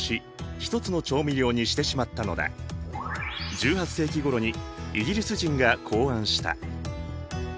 １８世紀ごろにイギリス人が考案した。